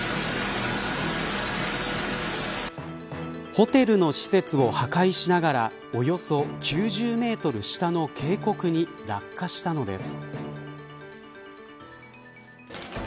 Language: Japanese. ホテルの施設を破壊しながらおよそ９０メートル下の渓谷に落下したのです。